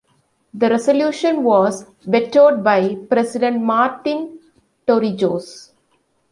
The resolution was vetoed by President Martin Torrijos.